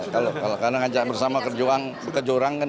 kalau ngajak bersama ke jurang kan kita nanti dulu